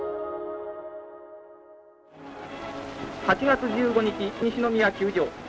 ８月１５日西宮球場。